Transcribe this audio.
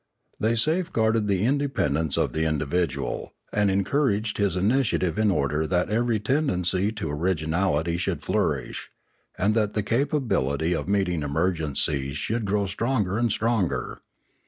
They safeguarded the independence of the individual, and encouraged his initiative in order that every tendency to originality should flourish, and that the capability of meeting emergencies should grow stronger and stronger.